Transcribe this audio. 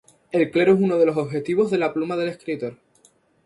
El clero es uno de los objetivos de la pluma del escritor.